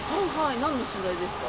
何の取材ですか？